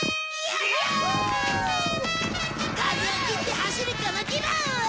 風を切って走るこの気分！